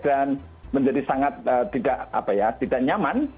dan menjadi sangat tidak nyaman